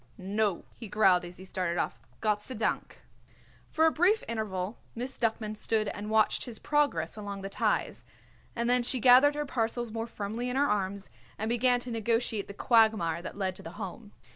"No," he growled as he started off. "Gott sei dank." For a brief interval Miss Duckman stood and watched his progress along the ties, and then she gathered her parcels more firmly in her arms and began to negotiate the quagmire that led to the Home.